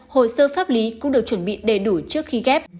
hồ sơ pháp lý cũng được chuẩn bị đầy đủ trước khi ghép